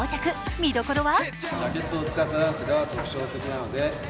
見どころは？